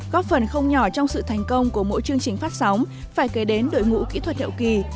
góp phần không nhỏ trong sự thành công của mỗi chương trình phát sóng phải kể đến đội ngũ kỹ thuật hậu kỳ